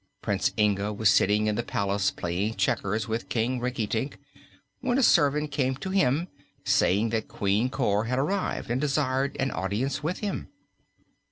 Prince Inga was sitting in the palace playing checkers with King Rinkitink when a servant came to him, saying that Queen Cor had arrived and desired an audience with him.